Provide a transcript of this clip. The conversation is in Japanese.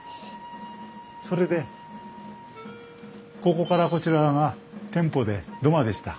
それでここからこちら側が店舗で土間でした。